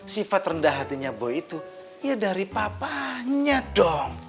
sifat rendah hatinya boy itu ya dari papanya dong